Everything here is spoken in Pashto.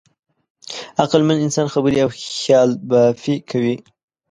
عقلمن انسان خبرې او خیالبافي کوي.